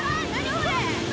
これ。